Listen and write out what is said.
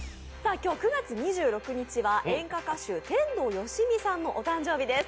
今日９月２６日は演歌歌手天童よしみさんのお誕生日です。